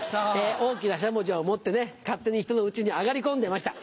大きなしゃもじを持ってね勝手にひとの家に上がり込んでました。